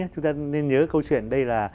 chúng ta nên nhớ câu chuyện đây là